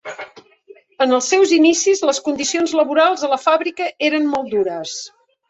En els seus inicis, les condicions laborals a la fàbrica eren molt dures.